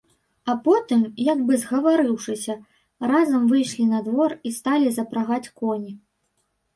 А потым, як бы згаварыўшыся, разам выйшлі на двор і сталі запрагаць коні.